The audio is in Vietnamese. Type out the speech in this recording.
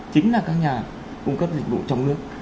chính là các nhà cung cấp dịch vụ trong nước